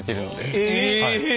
え！